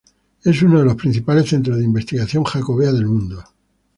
Es uno de los principales centros de investigación jacobea del mundo.